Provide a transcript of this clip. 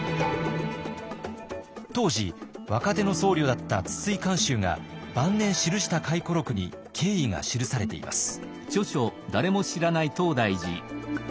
当時若手の僧侶だった筒井寛秀が晩年記した回顧録に経緯が記されています。